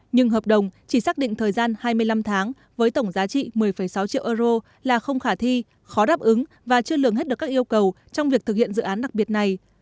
nhưng hợp đồng chỉ xác định thời gian hai mươi năm tháng với tổng giá trị một mươi sáu triệu euro là không khả thi khó đáp ứng và chưa lường hết được các yêu cầu trong việc thực hiện dự án đặc biệt này